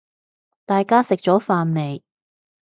大家食咗飯未